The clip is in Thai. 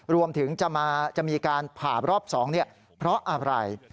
รวมถึงจะมีการผ่ารอบ๒เพราะอะไร